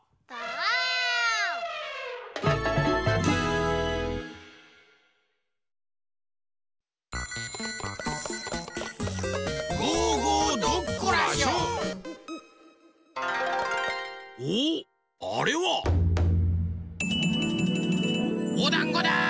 おおっあれは！おだんごだ！